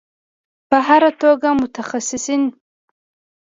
په هر توګه متخصصین